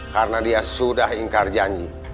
karena dia sudah ingkar janji